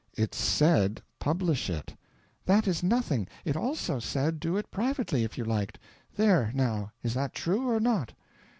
"It SAID publish it." "That is nothing; it also said do it privately, if you liked. There, now is that true, or not?"